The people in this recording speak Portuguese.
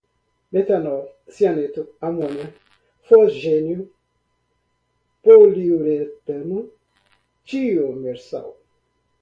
etilenoglicol, polietilenoglicol, metanol, cianeto, amônia, fosgênio, poliuretano, tiomersal